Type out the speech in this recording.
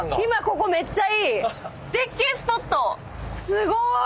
すごーい！